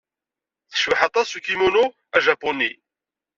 Tecbeḥ aṭas s ukimono ajapuni.